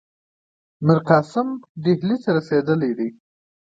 میرقاسم ډهلي ته رسېدلی دی.